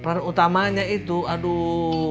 peran utamanya itu aduh